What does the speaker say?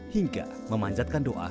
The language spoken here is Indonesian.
hingga memanjatkan doa